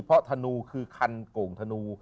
เพราะธนูคือคันโก่งธนู